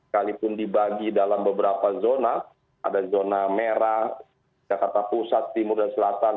kalipun dibagi dalam beberapa zona ada zona merah jakarta pusat timur dan selatan